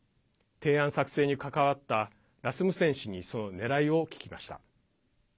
提案作成に関わったラスムセン氏にそのねらいを聞きました。